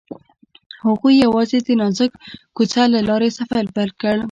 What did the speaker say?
هغوی یوځای د نازک کوڅه له لارې سفر پیل کړ.